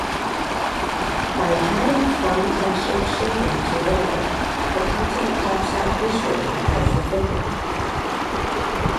By adding fine-textured shading to water, the continent pops out visually as the figure.